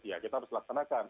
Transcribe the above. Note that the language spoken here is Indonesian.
ya kita harus melaksanakan